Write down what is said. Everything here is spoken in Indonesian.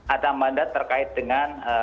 ada mandat terkait dengan